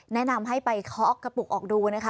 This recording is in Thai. แนะนำให้ไปเคาะกระปุกออกดูนะคะ